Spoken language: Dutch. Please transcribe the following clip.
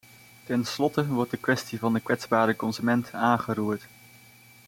Ten slotte wordt de kwestie van de kwetsbare consument aangeroerd.